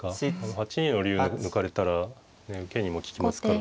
８二の竜が抜かれたら受けにも利きますから。